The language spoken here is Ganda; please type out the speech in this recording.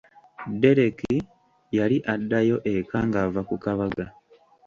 Dereki yali addayo eka ng'ava ku kabaga.